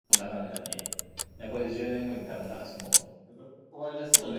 Ras Desta was captured and summarily executed by the fascist forces.